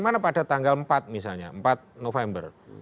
karena pada tanggal empat misalnya empat november